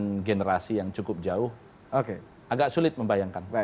dengan generasi yang cukup jauh agak sulit membayangkan